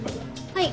はい。